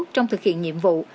trong thực hiện nhiệm vụ